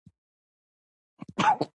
افغانستان د مهاجرینو هیواد دی